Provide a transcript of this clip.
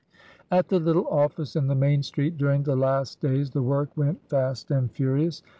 At the little office in the main street during the last days the work went fast and furious.